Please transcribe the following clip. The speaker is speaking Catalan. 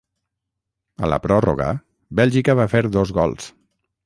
A la pròrroga, Bèlgica va fer dos gols.